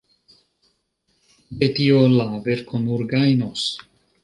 De tio la verko nur gajnos.